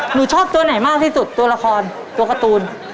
หนูชอบตัวไหนมากที่สุดตัวละครตัวการ์ตูน